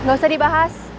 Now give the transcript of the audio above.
gak usah dibahas